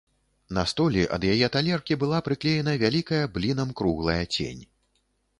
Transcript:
На столі ад яе талеркі была прыклеена вялікая, блінам, круглая цень.